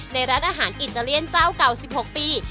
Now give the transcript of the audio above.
ในร้านอาหารอิตาเลียนเจ้าเก่า๑๖ปี